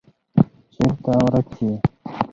چیرته ورک یې.